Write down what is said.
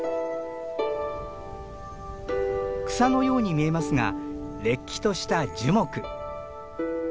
草のように見えますがれっきとした樹木。